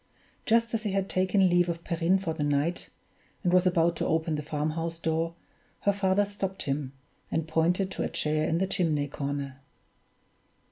Just as he had taken leave of Perrine for the night, and was about to open the farmhouse door, her father stopped him, and pointed to a chair in the chimney corner.